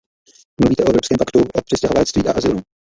Mluvíte o Evropském paktu o přistěhovalectví a azylu.